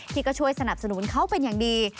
ที่ก็ช่วยสนับสนุนเขาเป็นอย่างดี